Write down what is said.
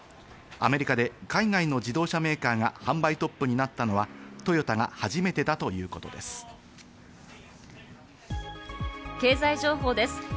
アメリカで海外の自動車メーカーが販売トップになったのはトヨタが初めてだということです。